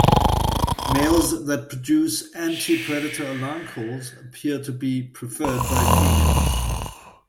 Males that produce anti-predator alarm calls appear to be preferred by females.